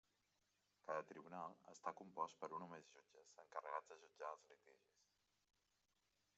Cada tribunal està compost per un o més jutges encarregats de jutjar els litigis.